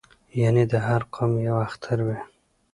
یعنې د هر قوم یو اختر وي